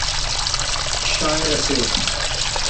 شاعر اسے